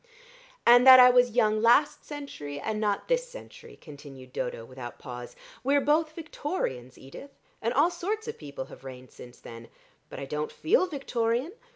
"And that I was young last century and not this century," continued Dodo without pause. "We're both Victorians, Edith, and all sorts of people have reigned since then. But I don't feel Victorian.